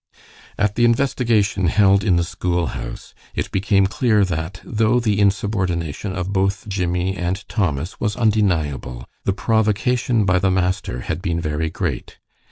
At the investigation held in the school house, it became clear that, though the insubordination of both Jimmie and Thomas was undeniable, the provocation by the master had been very great.